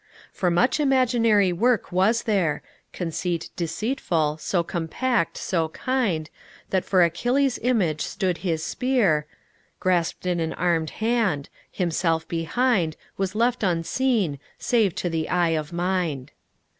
"For much imaginary work was there; Conceit deceitful, so compact, so kind, That for Achilles' image stood his spear Grasped in an armed hand; himself behind Was left unseen, save to the eye of mind."